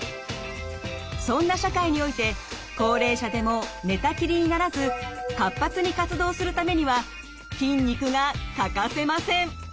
そんな社会において高齢者でも寝たきりにならず活発に活動するためには筋肉が欠かせません。